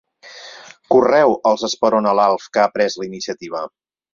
Correu! —els esperona l'Alf, que ha pres la iniciativa.